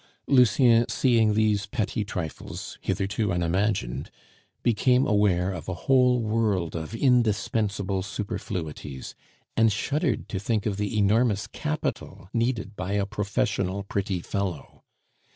Lucien, seeing these petty trifles, hitherto unimagined, became aware of a whole world of indispensable superfluities, and shuddered to think of the enormous capital needed by a professional pretty fellow!